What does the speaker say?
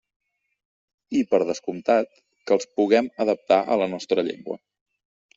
I, per descomptat, que els puguem adaptar a la nostra llengua.